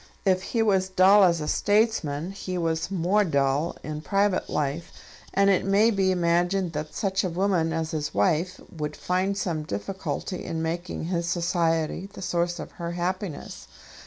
If he was dull as a statesman he was more dull in private life, and it may be imagined that such a woman as his wife would find some difficulty in making his society the source of her happiness.